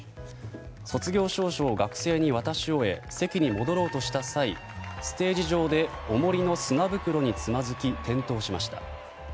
卒業証書を学生に渡し終え席に戻ろうとした際ステージ上で重りの砂袋につまずき転倒しました。